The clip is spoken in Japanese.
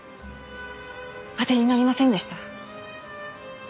当てになりませんでした。